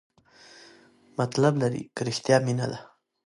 مطلب لري که رښتیا مینه ده؟